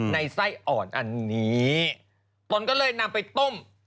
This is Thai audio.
ในไส้อ่อนอันนี้ตนก็เลยนำไปต้ม